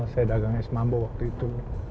saya dagang es mambu waktu itu